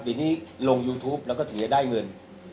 ปีนี้ลงยูทูปแล้วก็ถึงจะได้เงิน